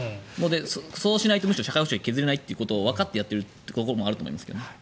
そうしないとむしろ社会保障が削れないことをわかってやっているところもあると思いますけどね。